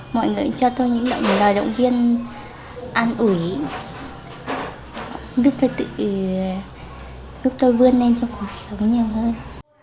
mọi người cho tôi những lời động viên an ủi giúp tôi vươn lên trong cuộc sống nhiều hơn